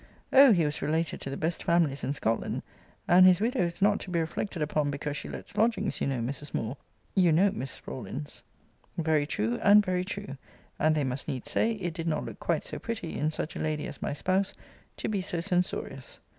'Oh! he was related to the best families in Scotland! And his widow is not to be reflected upon because she lets lodgings you know, Mrs. Moore you know, Miss Rawlins.' Very true, and very true. And they must needs say, it did not look quite so pretty, in such a lady as my spouse, to be so censorious.